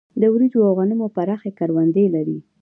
د وريجو او غنمو پراخې کروندې لري.